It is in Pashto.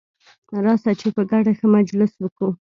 راسه چي په ګډه ښه مجلس وکو.